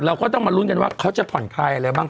เราก็ต้องมาลุ้นกันว่าเขาจะผ่อนคลายอะไรบ้าง